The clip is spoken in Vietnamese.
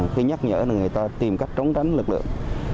khi nhắc nhở là người ta tìm cách trốn tránh lực lượng